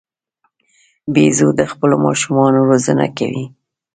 بیزو د خپلو ماشومانو روزنه کوي.